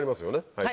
はい。